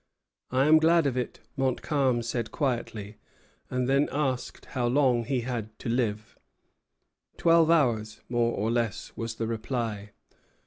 "I am glad of it," Montcalm said quietly; and then asked how long he had to live. "Twelve hours, more or less," was the reply.